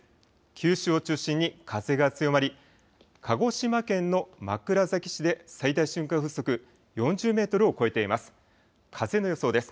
九州を中心に風が強まり、鹿児島県の枕崎市で最大瞬間風速４０メートルを超えています。